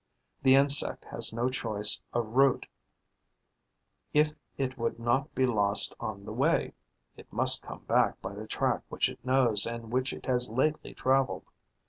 The insect has no choice of route, if it would not be lost on the way: it must come back by the track which it knows and which it has lately travelled.